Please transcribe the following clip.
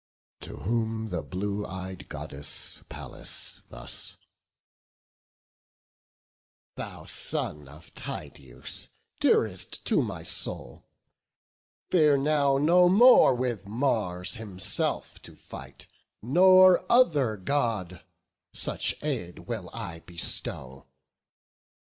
To whom the blue ey'd Goddess, Pallas, thus: "Thou son of Tydeus, dearest to my soul, Fear now no more with Mars himself to fight, Nor other God; such aid will I bestow.